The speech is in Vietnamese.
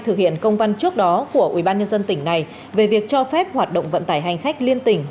thực hiện công văn trước đó của ubnd tỉnh này về việc cho phép hoạt động vận tải hành khách liên tỉnh